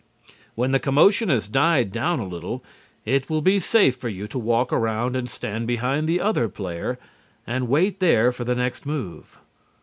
When the commotion has died down a little, it will be safe for you to walk around and stand behind the other player and wait there for the next move.